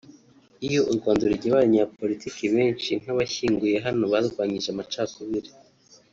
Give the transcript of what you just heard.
Iyo u Rwanda rugira abanyapolitiki benshi nk'abashyinguye hano barwanyije amacakubiri